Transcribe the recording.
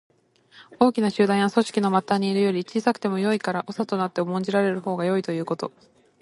大きな集団や組織の末端にいるより、小さくてもよいから長となって重んじられるほうがよいということ。